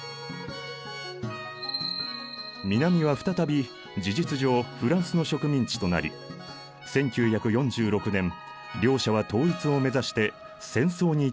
南は再び事実上フランスの植民地となり１９４６年両者は統一を目指して戦争に突入。